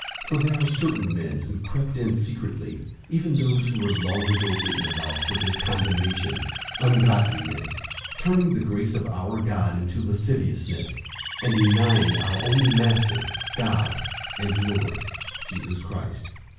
001:004 For there are certain men who crept in secretly, even those who were long ago written about for this condemnation: ungodly men, turning the grace of our God into lasciviousness, and denying our only Master, God, and Lord, Jesus Christ.